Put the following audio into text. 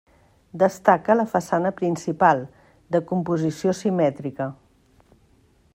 Destaca la façana principal, de composició simètrica.